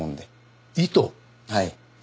はい。